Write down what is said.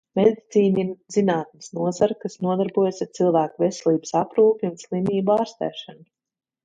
Medicīna ir zinātnes nozare, kas nodarbojas ar cilvēka veselības aprūpi un slimību ārstēšanu.